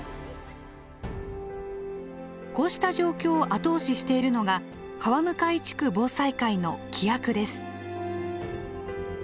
こうした状況を後押ししているのが川向地区防災会の規約です。